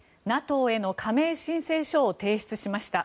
ＮＡＴＯへの加盟申請書を提出しました。